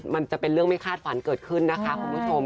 มันจะเป็นเรื่องไม่คาดฝันเกิดขึ้นนะคะคุณผู้ชม